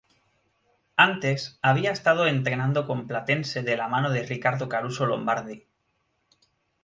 Antes, había estado entrenando con Platense de la mano de Ricardo Caruso Lombardi.